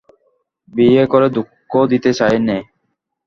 বিয়ে করে দুঃখ দিতে চাই নে।